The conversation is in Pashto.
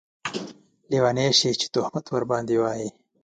لیونۍ شې چې تهمت ورباندې واېې